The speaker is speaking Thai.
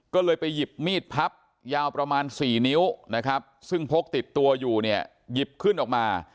ก็เลยไปหยิบมีดพับยาวประมาณ๔นิ้วนะครับซึ่งพกติดตัวอยู่เนี่ยหยิบขึ้นออกมา